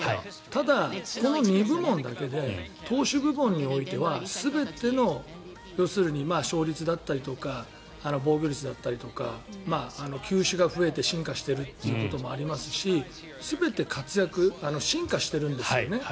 ただ、この２部門だけで投手部門においては全ての要するに勝率だったりとか防御率だったりとか球種が増えて進化しているということもありますし全て活躍進化しているんですよね。